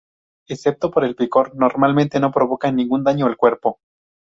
Excepto por el picor, normalmente no provocan ningún daño al cuerpo.